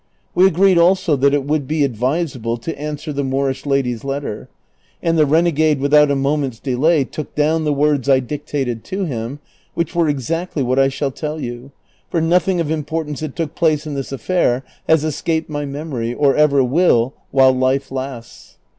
We agreed also that it would be ad visable to answer the INloorish lady's letter, and the renegade without a moment's delay took down the words I dictated to him, which were exactly what I shall tell you, for nothing of imj^ortance that took place in this aflair has escaped my memory, or ever will while life lasts.